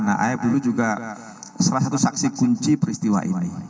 nah ayah dulu juga salah satu saksi kunci peristiwa ini